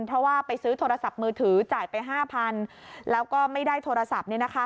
เพราะว่าไปซื้อโทรศัพท์มือถือจ่ายไป๕๐๐๐แล้วก็ไม่ได้โทรศัพท์